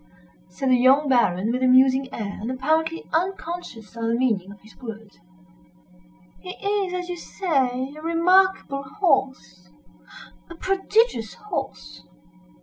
said the young Baron, with a musing air, and apparently unconscious of the meaning of his words. "He is, as you say, a remarkable horse—a prodigious horse!